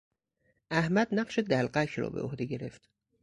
احمد نقش دلقک را به عهده گرفت.